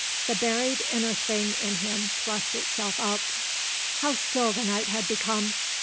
The buried inner thing in him thrust itself up. How still the night had become.